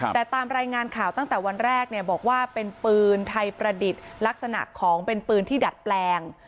แต่ตามรายงานข่าวตั้งแต่วันแรกเนี่ยบอกว่าเป็นปืนไทยประดิษฐ์ลักษณะของเป็นปืนที่ดัดแปลง